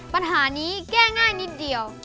ปัญหานี้แก้ง่ายนิดเดียว